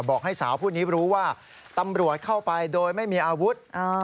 บอกให้สาวผู้นี้รู้ว่าตำรวจเข้าไปโดยไม่มีอาวุธ